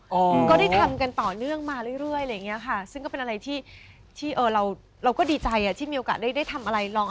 มันก็ได้ทำกันต่อเนื่องมาเรื่อยแล้วแบบนี้ค่ะคือเราก็ดีใจที่มีโอกาสได้ทำอะไรนะ